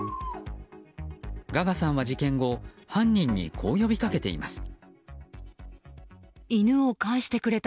ガガさんは事件後犯人にこう呼びかけています。